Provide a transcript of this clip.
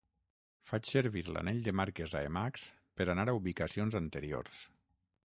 Faig servir l'anell de marques a Emacs per anar a ubicacions anteriors.